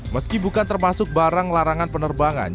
meski bukan termasuk barang larangan penerbangan